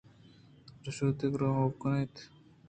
رِیژگوٛک ءَ ہئو کُت ءُ آ یلہ دات